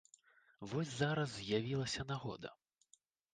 Вось зараз з'явілася нагода.